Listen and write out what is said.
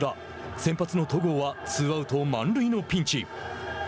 先発の戸郷はツーアウト、満塁のピンチ。